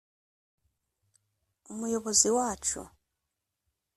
Umuyobozi wacyo